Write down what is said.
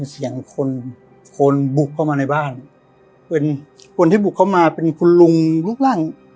เสียงคนคนบุกเข้ามาในบ้านเป็นคนที่บุกเข้ามาเป็นคุณลุงรูปร่าง